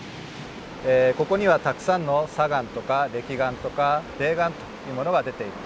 ここにはたくさんの砂岩とかれき岩とか泥岩というものが出ています。